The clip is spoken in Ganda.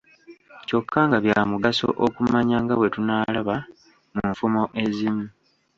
Kyokka nga bya mugaso okumanya nga bwe tunaalaba mu nfumo ezimu.